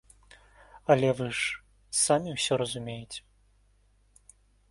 Але вы ж самі ўсё разумееце!